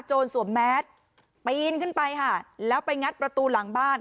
สวมแมสปีนขึ้นไปค่ะแล้วไปงัดประตูหลังบ้าน